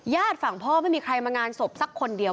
ฝั่งพ่อไม่มีใครมางานศพสักคนเดียว